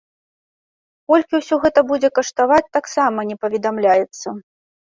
Колькі ўсё гэта будзе каштаваць, таксама не паведамляецца.